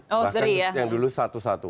bahkan yang dulu satu satu